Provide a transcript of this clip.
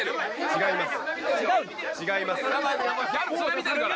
違います・